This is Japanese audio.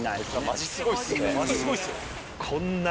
マジすごいっす。